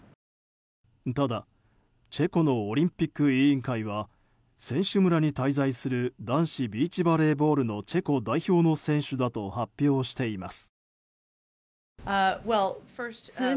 ただ、チェコのオリンピック委員会は選手村に滞在する男子ビーチバレーボールのチェコ代表の選手だと発表しています。